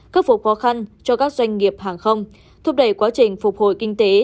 khắc phục khó khăn cho các doanh nghiệp hàng không thúc đẩy quá trình phục hồi kinh tế